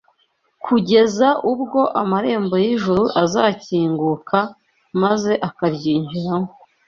kugeza ubwo amarembo y’ijuru azakinguka maze akaryinjiramo